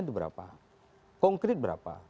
itu berapa konkrit berapa